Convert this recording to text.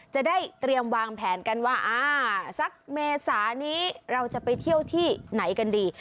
จะได้เตรียมวางแผนกันว่าอ่าสักเมษานี้เราจะไปเที่ยวที่ไหนกันดี